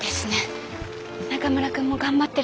中村くんも頑張ってるし。